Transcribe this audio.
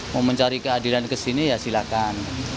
mau mencari keadilan kesini ya silahkan